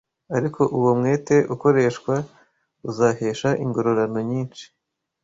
Ariko uwo mwete ukoreshwa uzahesha ingororano nyinshi.